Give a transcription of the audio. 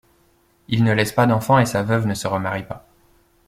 Il ne laisse pas d'enfants et sa veuve ne se remarie pas.